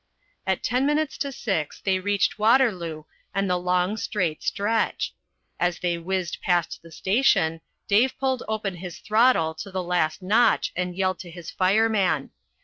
At ten minutes to six they reached Waterloo and the long, straight stretch. As they whizzed past the station, Dave pulled open his throttle to the last notch and yelled to his fireman.